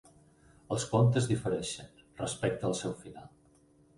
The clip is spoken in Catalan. Els comptes difereixen respecte al seu final.